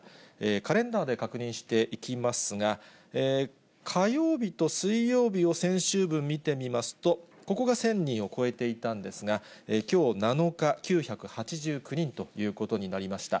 カレンダーで確認していきますが、火曜日と水曜日を先週分見てみますと、ここが１０００人を超えていたんですが、きょう７日、９８９人ということになりました。